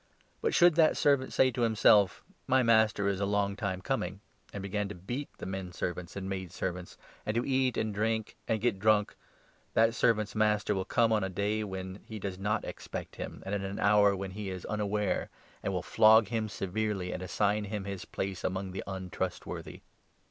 But should that servant say to himself ' My 45 master is a long time coming,' and begin to beat the men servants and the maidservants, and to eat and drink and get drunk, that servant's master will come on a day when 46 he does not expect him, and at an hour of which he is un aware, and will flog him severely and assign him his place among the untrustworthy.